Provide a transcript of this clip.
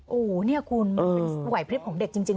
โหเนี่ยคุณไหว้พฤทธิ์ของเด็กจริงนะ